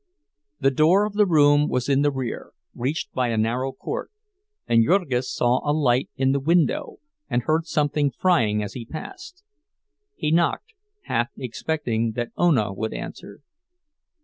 The door of the room was in the rear, reached by a narrow court, and Jurgis saw a light in the window and heard something frying as he passed; he knocked, half expecting that Ona would answer.